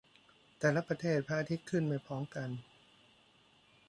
แต่ละประเทศ พระอาทิตย์ขึ้นไม่พร้อมกัน